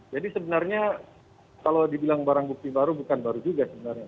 jadi sebenarnya kalau dibilang barang bukti baru bukan baru juga sebenarnya